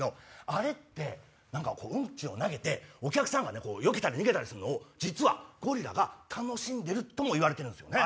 あれってウンチを投げてお客さんがよけたり逃げたりするのを実はゴリラが楽しんでるともいわれてるんですよね。